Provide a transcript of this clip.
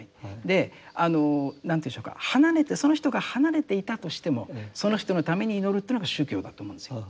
であの何ていうんでしょうかその人が離れていたとしてもその人のために祈るというのが宗教だと思うんですよ。